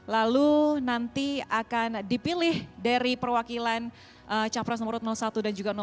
lalu nanti akan dipilih dari perwakilan capres nomor satu dan juga dua